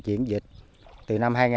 chuyển dịch từ năm hai nghìn